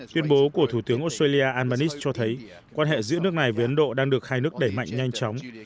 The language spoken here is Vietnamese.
tuyên bố của thủ tướng australia albanese cho thấy quan hệ giữa nước này với ấn độ đang được hai nước đẩy mạnh nhanh chóng